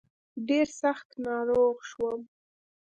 ډېر سخت ناروغ شوم.